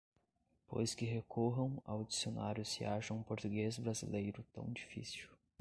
Pois que recorram ao dicionário se acham o português brasileiro tão difícil